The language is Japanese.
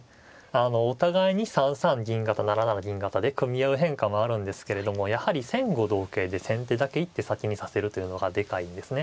お互いに３三銀型７七銀型で組み合う変化もあるんですけれどもやはり戦後同型で先手だけ一手先に指せるというのがでかいんですね。